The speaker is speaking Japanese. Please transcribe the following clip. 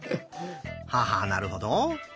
ははなるほど。